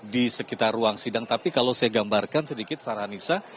di sekitar ruang sidang tapi kalau saya gambarkan sedikit farhanisa